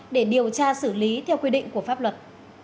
để điều tra xử lý theo quy định của pháp luật